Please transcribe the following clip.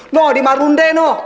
nuh di marunde noh